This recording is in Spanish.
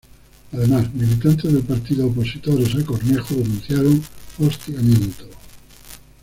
Además, militantes de partidos opositores a Cornejo denunciaron hostigamiento.